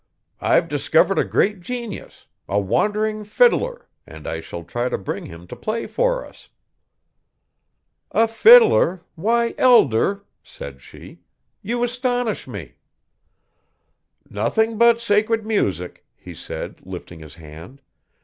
'I've discovered a great genius a wandering fiddler, and I shall try to bring him to play for us.' 'A fiddler! why, Elder!' said she, 'you astonish me!' 'Nothing but sacred music,' he said, lifting his hand.